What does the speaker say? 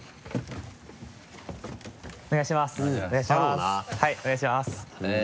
お願いします。